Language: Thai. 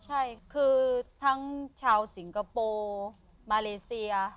ใช่คือทั้งชาวสิงคโปร์มาเลเซีย